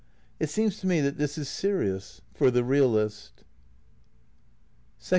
It seems to me that this is se rious — for the realist.